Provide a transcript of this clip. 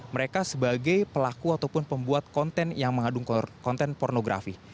mereka sebagai pelaku ataupun pembuat konten yang mengandung konten pornografi